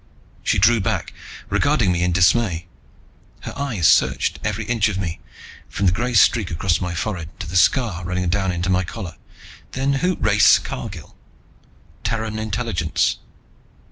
She drew back, regarding me in dismay. Her eyes searched every inch of me, from the gray streak across my forehead to the scar running down into my collar. "Then who " "Race Cargill. Terran Intelligence."